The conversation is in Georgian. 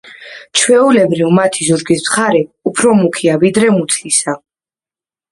ჩვეულებრივ, მათი ზურგის მხარე უფრო მუქია, ვიდრე მუცლისა.